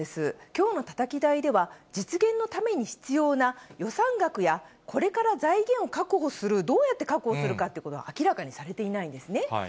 きょうのたたき台では、実現のために必要な予算額や、これから財源を確保する、どうやって確保するかということが明らかにされていないんですね。